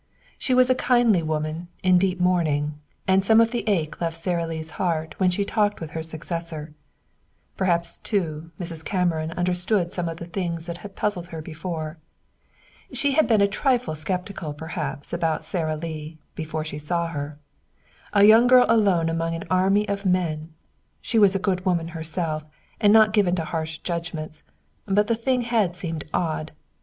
She was a kindly woman, in deep mourning; and some of the ache left Sara Lee's heart when she had talked with her successor. Perhaps, too, Mrs. Cameron understood some of the things that had puzzled her before. She had been a trifle skeptical perhaps about Sara Lee before she saw her. A young girl alone among an army of men! She was a good woman herself, and not given to harsh judgments, but the thing had seemed odd.